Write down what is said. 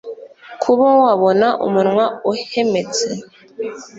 Kuba wabona umunwa uhemetse,